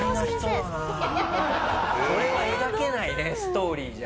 これは描けないねストーリーじゃ。